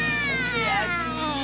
くやしい。